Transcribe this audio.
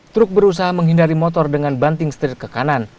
truk berusaha menghindari motor dengan banting setir ke kanan